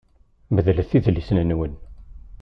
Medlet idlisen-nwen.